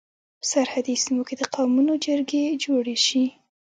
په سرحدي سيمو کي د قومونو جرګي جوړي سي.